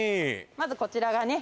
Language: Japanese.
まずこちらがね